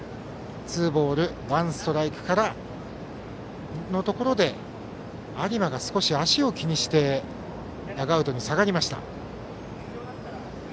ツーボールワンストライクからのところで有馬が少し足を気にしてダグアウトに下がりました。